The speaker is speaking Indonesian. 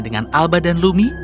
dengan alba dan lumi